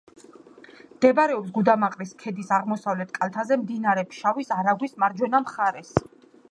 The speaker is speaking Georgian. მდებარეობს გუდამაყრის ქედის აღმოსავლეთ კალთაზე, მდინარე ფშავის არაგვის მარჯვენა მხარეს.